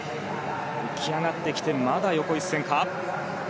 浮き上がってきてまだ横一線か。